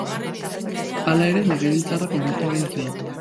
Hala ere, legebiltzarrak onartu egin zuen.